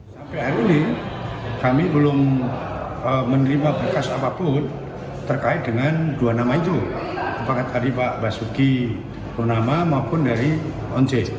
sampai hari ini kami belum menerima berkas apapun terkait dengan dua nama itu apakah tadi pak basuki purnama maupun dari once